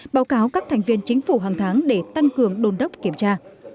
báo cáo các thành viên chính phủ hàng tháng để tăng cường đồn đốc kiểm tra